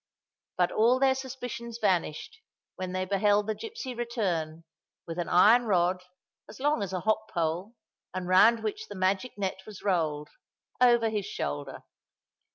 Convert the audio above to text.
But all their suspicions vanished when they beheld the gipsy return, with an iron rod, as long as a hop pole, and round which the magic net was rolled, over his shoulder.